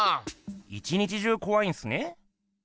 一日中こわいんすね？